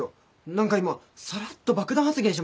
何か今さらっと爆弾発言しませんでした？